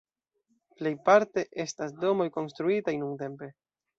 Plej parte estas domoj konstruitaj nuntempe.